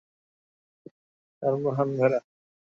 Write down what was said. তার বাহন ভেড়া।